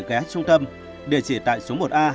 ghé trung tâm địa chỉ tại số một a